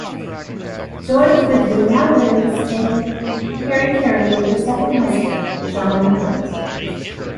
Joy Quigley now lives in Kerikeri with her second husband John Hunt.